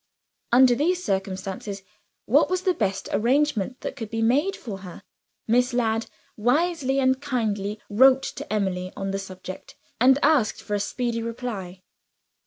Under these circumstances, what was the best arrangement that could be made for her? Miss Ladd wisely and kindly wrote to Emily on the subject, and asked for a speedy reply.